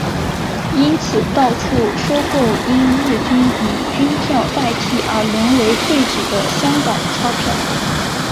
因此到处收购因日军以军票代替而沦为废纸的香港钞票。